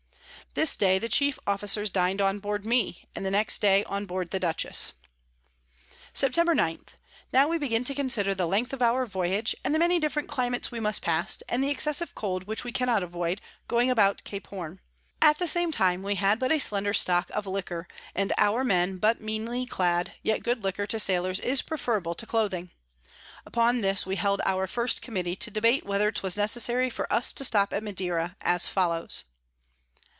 This day the chief Officers din'd on board me, and the next day on board the Dutchess. Sept. 9. Now we begin to consider the Length of our Voyage, and the many different Climates we must pass, and the excessive Cold which we cannot avoid, going about Cape Horne; at the same time we had but a slender Stock of Liquor, and our Men but meanly clad, yet good Liquor to Sailors is preferable to Clothing. Upon this we held our first Committee, to debate whether 'twas necessary for us to stop at Madera, as follows.